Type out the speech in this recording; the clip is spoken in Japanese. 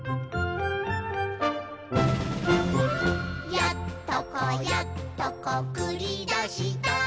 「やっとこやっとこくりだした」